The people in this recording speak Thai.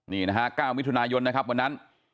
นี่นะฮะ๙มิถุนายนนะครับวันนั้น